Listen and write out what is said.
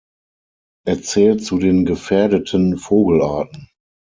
Er zählt zu den gefährdeten Vogelarten.